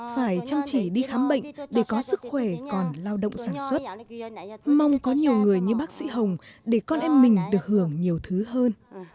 phải chăm chỉ đi khám bệnh để có sức khỏe còn lao động sản xuất mong có nhiều người như bác sĩ hồng để con em mình được hưởng nhiều thứ hơn